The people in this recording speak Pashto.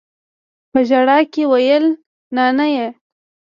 په ژړا يې وويل نانىه.